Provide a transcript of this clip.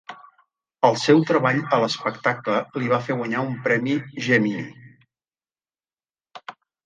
El seu treball a l'espectacle li va fer guanyar un premi Gemini.